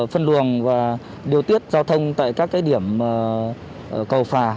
phân luồng và điều tiết giao thông tại các điểm cầu phà